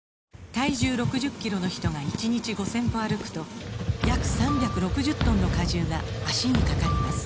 体重６０キロの人が１日５０００歩歩くと約３６０トンの荷重が脚にかかります